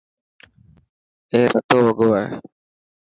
اي رتو وڳو هي.